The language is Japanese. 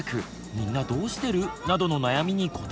みんなどうしてる？」などの悩みに答えます！